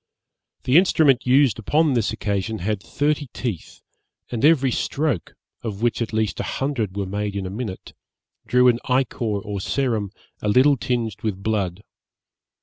The instrument used upon this occasion had thirty teeth, and every stroke, of which at least a hundred were made in a minute, drew an ichor or serum a little tinged with blood.